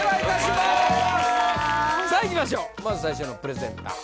まず最初のプレゼンター